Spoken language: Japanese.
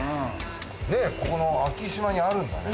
ねっここの昭島にあるんだね。